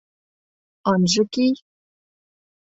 Ынже кий